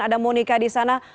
ada monika di sana